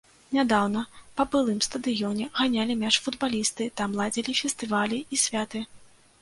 Нядаўна па былым стадыёне ганялі мяч футбалісты, там ладзілі фестывалі і святы.